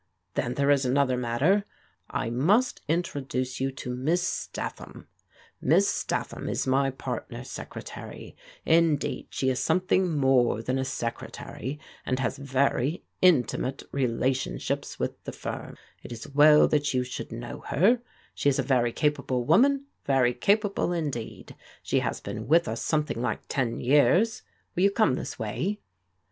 Then there is another matter. I must introduce you to Miss Statham. Miss Statham is my partner's secretary; indeed' she is something more than a ^"^crctary, and has very m^LMoaXfc xf^ aJCvow^Y^^ ^w^Sa. ^3ba AT SPUBLING AND KING'S 341 firm. It is well that you should know her. She is a very capable woman, very capable indeed. She has been with us something like ten years. Will you come this way